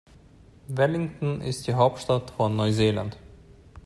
Wellington ist die Hauptstadt von Neuseeland.